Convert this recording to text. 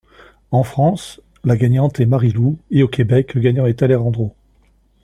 En France, la gagnante est Marilou et au Québec, le gagnant est Alejandro.